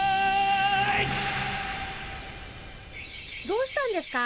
どうしたんですか？